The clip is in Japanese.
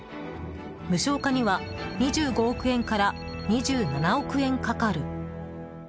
無償化には２５億円から２７億円かかる。